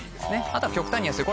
あとは極端に安い